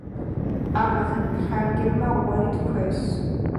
ამაზე ფრანგებმა უარი თქვეს.